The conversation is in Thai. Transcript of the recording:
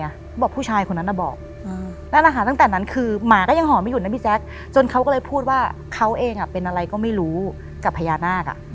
ผู้ชายคนนั้นน่ะบอกนั่นนะคะตั้งแต่นั้นคือหมาก็ยังหอมไม่หยุดนะพี่แจ๊คจนเขาก็เลยพูดว่าเขาเองเป็นอะไรก็ไม่รู้กับพญานาค